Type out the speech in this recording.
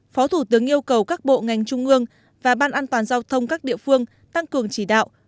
phó thủ tướng yêu cầu các bộ ngành trung ương và ban an toàn giao thông các địa phương tăng cường chỉ đạo